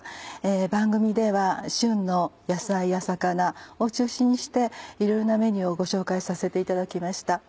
番組では旬の野菜や魚を中心にしていろいろなメニューをご紹介させていただきました。